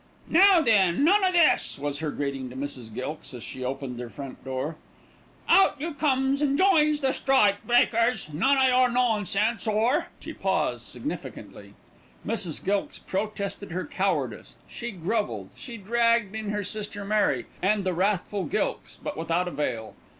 "Now then, none of this," was her greeting to Mrs. Gilkes as she opened her front door. "Out you comes and joins the strike breakers. None o' your nonsense or " she paused significantly. Mrs. Gilkes protested her cowardice, she grovelled, she dragged in her sister, Mary, and the wrathful Gilkes; but without avail.